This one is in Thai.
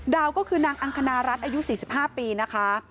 ดาวก็คือนางอังคณรัฐอายุ๔๕ปีนะคะ